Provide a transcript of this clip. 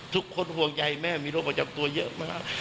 ห่วงใยแม่มีโรคประจำตัวเยอะมาก